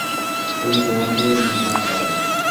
শুধু তোমাকেই, - না রাজ।